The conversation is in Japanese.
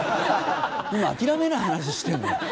今諦めない話してるのよ。